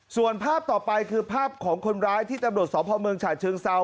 ส่วนภาพต่อไปคือภาพของคนร้ายที่ตำรวจสพเมืองฉะเชิงเซา